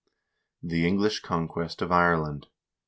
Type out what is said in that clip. The English Conquest of Ireland.